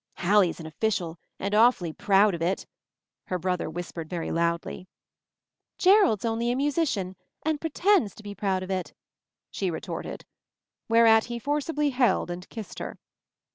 "Hallie's an official — and awfully proud of it," her brother whispered very loudly. " Jerrold's only a musician — and pretends to be proud of it!" she retorted. Whereat he forcibly held and kissed her.